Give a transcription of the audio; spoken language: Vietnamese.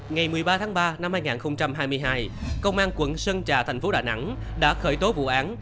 ngày một mươi ba tháng ba năm hai nghìn hai mươi hai công an quận sơn trà thành phố đà nẵng đã khởi tố vụ án